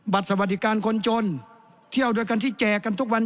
สวัสดีการคนจนเที่ยวโดยกันที่แจกกันทุกวัน